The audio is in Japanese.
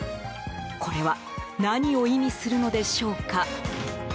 これは何を意味するのでしょうか。